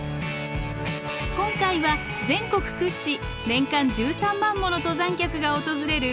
今回は全国屈指年間１３万もの登山客が訪れる